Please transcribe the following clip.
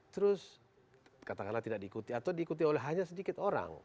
terus katakanlah tidak diikuti atau diikuti oleh hanya sedikit orang